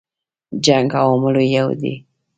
جنګ عواملو یو دی.